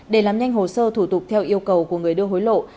để làm nhanh hồ sơ thủ tục theo yêu cầu của người đưa hối lộ